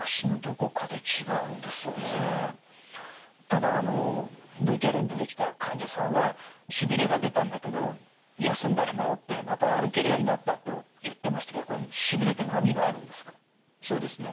ただあのＶＴＲに出てきた患者さんはしびれが出たんだけど休んだら治ってまた歩けるようになったと言ってましたけどこれしびれって波があるんですか？